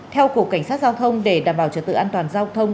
theo cục cảnh sát giao thông để đảm bảo trật tự an toàn giao thông